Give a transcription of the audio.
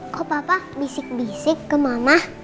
kok papa bisik bisik ke mama